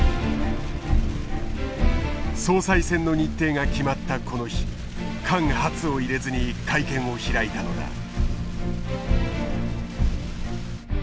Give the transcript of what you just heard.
総裁選の日程が決まったこの日間髪を入れずに会見を開いたのだ。